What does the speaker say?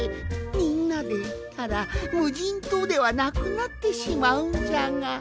みんなでいったらむじんとうではなくなってしまうんじゃが。